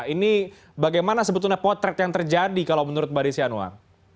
ini bagaimana sebetulnya potret yang terjadi kalau menurut mbak desi anwar